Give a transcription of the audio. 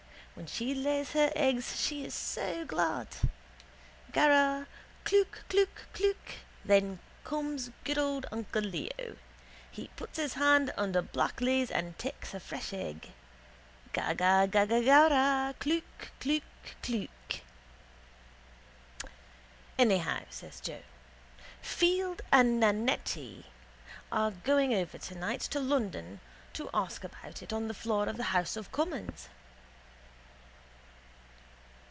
When she lays her egg she is so glad. Gara. Klook Klook Klook. Then comes good uncle Leo. He puts his hand under black Liz and takes her fresh egg. Ga ga ga ga Gara. Klook Klook Klook. —Anyhow, says Joe, Field and Nannetti are going over tonight to London to ask about it on the floor of the house of commons.